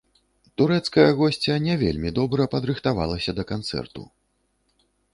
Турэцкая госця не вельмі добра падрыхтавалася да канцэрту.